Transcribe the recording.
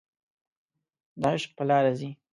د عشق په لاره ځي